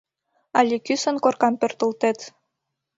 Але кӱсын коркам пӧртылтет?